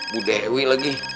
bu dewi lagi